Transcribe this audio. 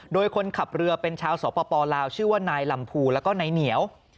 โดยคนขับเรือเป็นชาวสปลาวชื่อว่านายลำพูแล้วก็นายเหนียว